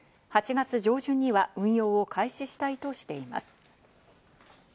８月上旬には運用を開始したいとしています。